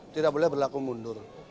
tidak boleh berlaku mundur